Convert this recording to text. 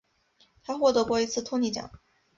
他获得过一次托尼奖。